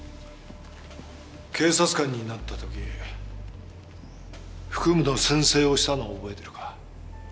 警察官になった時服務の宣誓をしたのを覚えてるか？